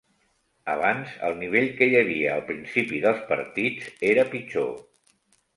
Abans el nivell que hi havia al principi dels partits era pitjor.